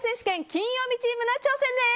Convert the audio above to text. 金曜日チームの挑戦です。